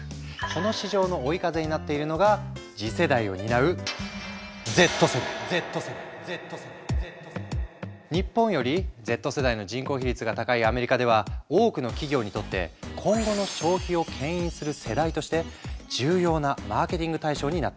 この市場の追い風になっているのが次世代を担う日本よりＺ世代の人口比率が高いアメリカでは多くの企業にとって今後の消費をけん引する世代として重要なマーケティング対象になっている。